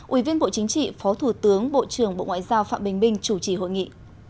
ủy viên bộ chính trị phó thủ tướng bộ trưởng bộ ngoại giao phạm bình minh chủ trì hội nghị